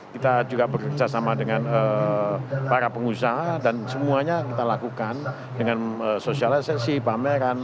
kita juga bekerjasama dengan para pengusaha dan semuanya kita lakukan dengan sosialisasi pameran